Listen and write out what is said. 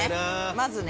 まずね。